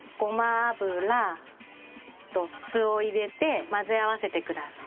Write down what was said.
油と酢を入れて混ぜ合わせてください。